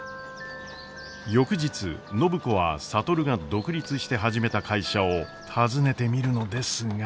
翌日暢子は智が独立して始めた会社を訪ねてみるのですが。